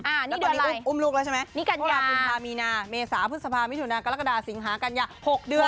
อ่านี่เดือนอะไรอุ้มลูกแล้วใช่ไหมพระคุณภามีนาเมษาพฤษภามิถุนากรกฎาสิงหากัญญา๖เดือน